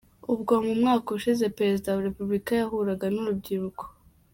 Ubwo mu mwaka ushize Perezida wa Repubulika yahuraga n’urbyiruko.